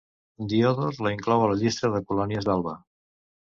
Diodor la inclou a la llista de colònies d'Alba.